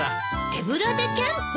手ぶらでキャンプ？